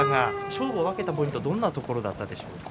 勝負を分けたポイントはどこだったでしょうか？